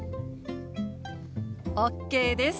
ＯＫです！